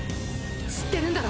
知ってるんだろ？